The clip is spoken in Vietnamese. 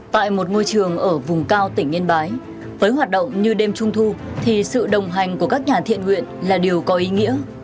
tại một ngôi trường ở vùng cao tỉnh yên bái với hoạt động như đêm trung thu thì sự đồng hành của các nhà thiện nguyện là điều có ý nghĩa